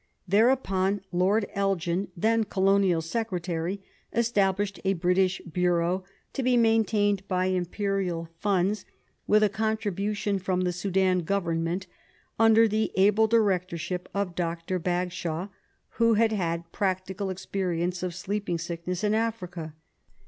Thereupon Lord Elgin, then Colonial Secre tary, established a British Bureau, to be maintained by Imperial funds, with a contribution from the Sudan Govern ment, under the able directorship of Dr. Bagshawe, who had had practical experience of sleeping sickness in Africa.